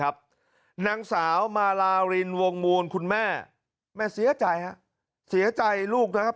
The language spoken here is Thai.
นางสาวมาลารินวงมูลคุณแม่แม่เสียใจฮะเสียใจลูกนะครับ